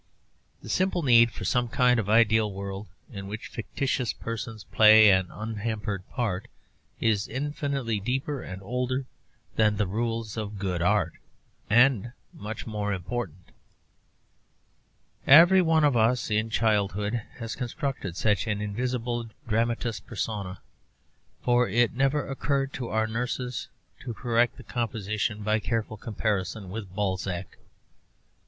The simple need for some kind of ideal world in which fictitious persons play an unhampered part is infinitely deeper and older than the rules of good art, and much more important. Every one of us in childhood has constructed such an invisible dramatis personæ, but it never occurred to our nurses to correct the composition by careful comparison with Balzac.